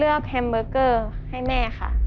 แฮมเบอร์เกอร์ให้แม่ค่ะ